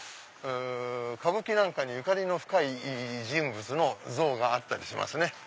歌舞伎なんかにゆかりの深い人物の像があったりしますね。